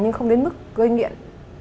nhưng không đến mức gây nghiện